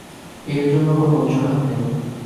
এর জন্য কোন অযুহাত নেই।